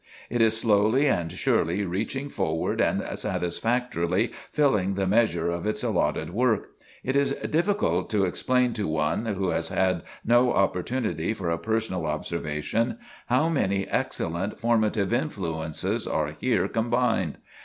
It is slowly and surely reaching forward and satisfactorily filling the measure of its allotted work.... It is difficult to explain to one who has had no opportunity for a personal observation, how many excellent formative influences are here combined....